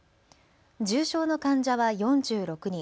重症の患者は４６人。